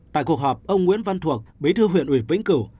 tại cuộc họp ông nguyễn văn thuộc bí thư huyện ủy vĩnh cửu